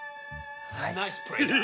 はい。